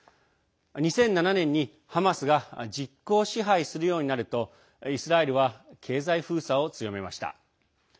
２００７年にハマスが実効支配するようになるとイスラエルは経済封鎖を強めました。